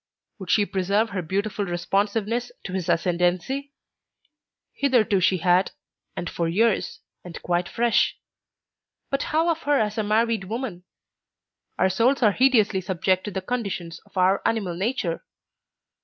Would she preserve her beautiful responsiveness to his ascendency? Hitherto she had, and for years, and quite fresh. But how of her as a married woman? Our souls are hideously subject to the conditions of our animal nature!